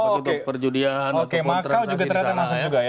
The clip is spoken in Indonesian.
makau juga terlihat terang terang juga ya